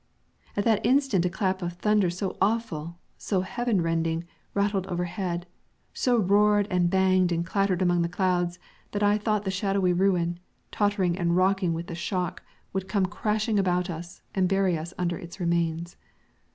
At that instant a clap of thunder so awful, so heaven rending, rattled overhead, so roared and banged and clattered among the clouds, that I thought the shadowy ruin, tottering and rocking with the shock, would come crashing about us and bury us under its remains.